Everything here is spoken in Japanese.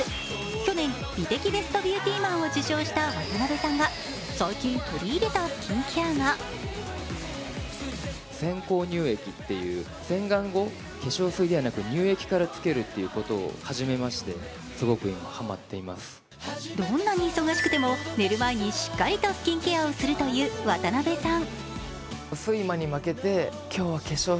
去年、美的ベストビューティマンを受賞した渡辺さんが最近取り入れたスキンケアがどんなに忙しくても寝る前にしっかりとスキンケアをするという渡辺さん。